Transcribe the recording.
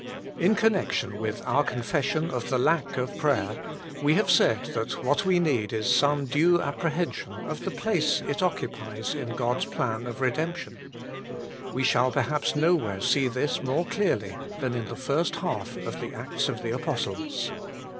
In connection with our con 20 THE MINISTRATION OF THE SPIRIT AND PRAYER 21 fession of the lack of prayer, we have said that what we need is some due apprehension of the place it occupies in God s plan of redemption ; we shall perhaps nowhere see this more clearly than in the first half of the Acts of the Apostles.